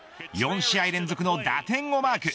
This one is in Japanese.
４試合連続の打点をマーク。